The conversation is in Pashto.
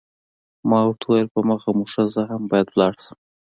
ما ورته وویل، په مخه مو ښه، زه هم باید ولاړ شم.